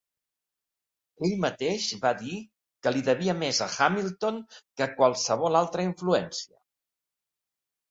Ell mateix va dir que li devia més a Hamilton que a qualsevol altra influència.